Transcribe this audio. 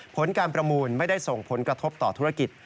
ผลการประมูลไม่ได้ส่งผลกระทบต่อธุรกิจ